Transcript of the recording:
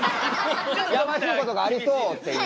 やましいことがありそうっていうね。